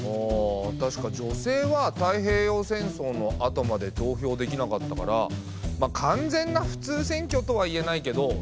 あたしか女性は太平洋戦争のあとまで投票できなかったから完全な普通選挙とは言えないけど。